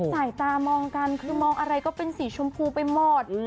สายตามองกันคือมองอะไรก็เป็นสีชมพูไปหมด